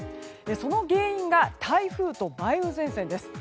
その原因が台風と梅雨前線です。